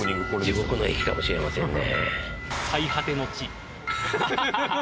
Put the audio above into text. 地獄の駅かもしれませんね